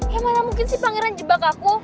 ya mana mungkin sih pangeran jebak aku